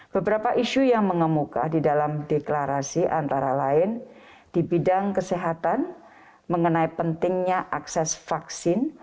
beberapa isu yang mengemuka di dalam deklarasi antara lain di bidang kesehatan mengenai pentingnya akses vaksin